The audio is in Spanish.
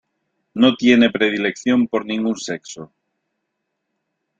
No tiene predilección por ningún sexo.